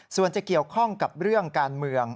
ส่วนจะเกี่ยวข้องกับเรื่องการเมือง